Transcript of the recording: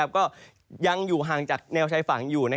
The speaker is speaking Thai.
ก็ยังอยู่ห่างจากแนวชายฝั่งอยู่